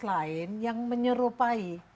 lain yang menyerupai